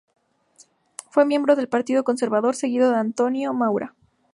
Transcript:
Fue miembro del Partido Conservador, seguidor de Antonio Maura.